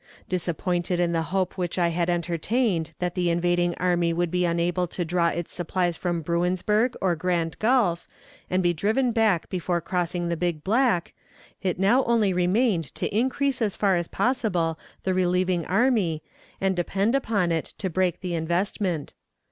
Disappointed in the hope which I had entertained that the invading army would be unable to draw its supplies from Bruinsburg or Grand Gulf, and be driven back before crossing the Big Black, it now only remained to increase as far as possible the relieving army, and depend upon it to break the investment.